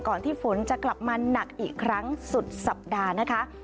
ที่ฝนจะกลับมาหนักอีกครั้งสุดสัปดาห์นะคะ